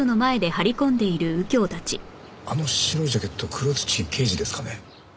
あの白いジャケット黒土圭司ですかね？